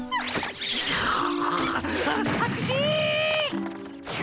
はずかしっ！